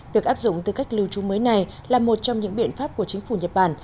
việc áp dụng tư cách lưu trú mới này là một trong những biện pháp của chính phủ nhật bản